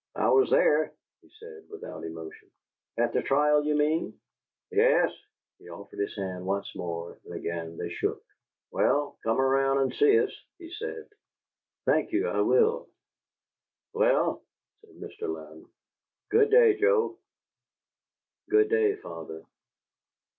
"I was there," he said, without emotion. "At the trial, you mean?" "Yes." He offered his hand once more, and again they shook. "Well, come around and see us," he said. "Thank you. I will." "Well," said Mr. Louden, "good day, Joe." "Good day, father."